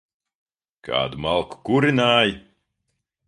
Kādu malku kurināji?